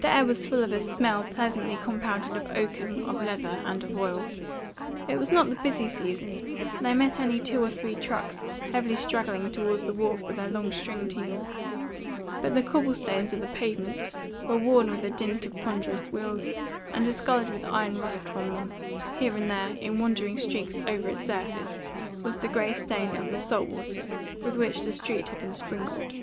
The air was full of a smell pleasantly compounded of oakum, of leather, and of oil. It was not the busy season, and they met only two or three trucks heavily straggling toward the wharf with their long string teams; but the cobble stones of the pavement were worn with the dint of ponderous wheels, and discoloured with iron rust from them; here and there, in wandering streaks over its surface, was the grey stain of the salt water with which the street had been sprinkled.